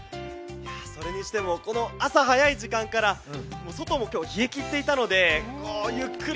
それにしても朝早い時間から外も今日冷え切っていたのでゆっくり